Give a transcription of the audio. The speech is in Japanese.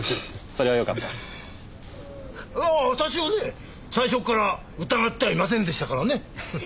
ああ私はね最初から疑ってはいませんでしたからね。